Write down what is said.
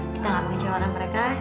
kita nggak mengecewakan mereka